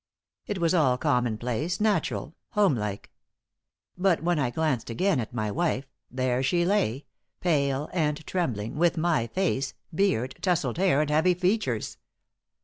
It was all common place, natural, homelike. But when I glanced again at my wife, there she lay, pale and trembling, with my face, beard, tousled hair and heavy features.